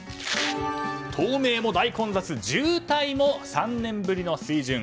東名も大混雑渋滞も３年ぶりの水準。